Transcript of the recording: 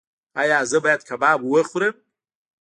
ایا زه باید کباب وخورم؟